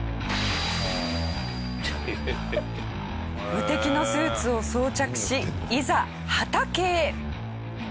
無敵のスーツを装着しいざ畑へ！